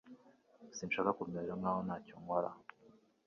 Sinshaka kumera nkaho ntacyo nkora